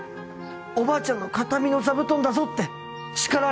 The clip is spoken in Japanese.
「おばあちゃんの形見の座布団だぞ」って叱られた。